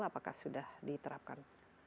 apakah sudah diterapkan